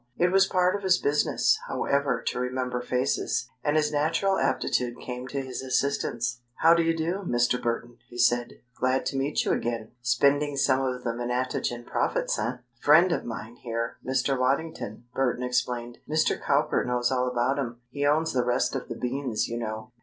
It was part of his business, however, to remember faces, and his natural aptitude came to his assistance. "How do you do, Mr. Burton?" he said. "Glad to meet you again. Spending some of the Menatogen profits, eh?" "Friend of mine here Mr. Waddington," Burton explained. "Mr. Cowper knows all about him. He owns the rest of the beans, you know."